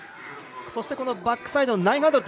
そしてバックサイド９００。